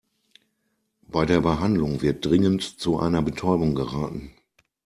Bei der Behandlung wird dringend zu einer Betäubung geraten.